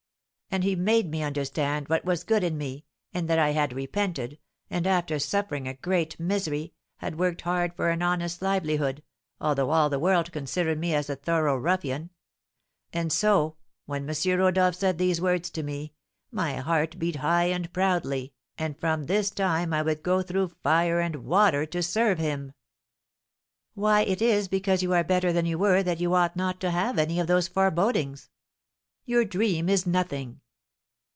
And he made me understand what was good in me, and that I had repented, and, after suffering great misery, had worked hard for an honest livelihood, although all the world considered me as a thorough ruffian, and so, when M. Rodolph said these words to me, my heart beat high and proudly, and from this time I would go through fire and water to serve him." "Why, it is because you are better than you were that you ought not to have any of those forebodings. Your dream is nothing."